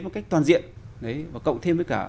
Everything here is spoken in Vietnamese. một cách toàn diện và cộng thêm với cả